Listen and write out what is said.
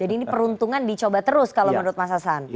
jadi ini peruntungan dicoba terus kalau menurut mas sandi